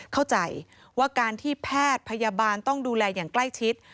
เข้าใจว่าการที่แพทย์พยาบาลต้องดูแลอย่างใกล้ชิด